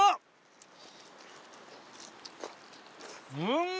うん！